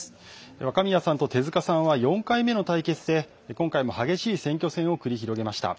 若宮さんと手塚さんは４回目の対決で今回も激しい選挙戦を繰り広げました。